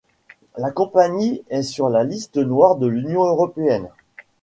La compagnie est sur la liste noire de l'union européenne.